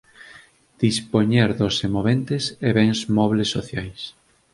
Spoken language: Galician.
Dispoñer dos semoventes e bens mobles sociais.